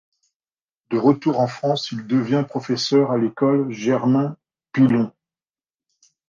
De retour en France, il devient professeur à l'École Germain-Pilon.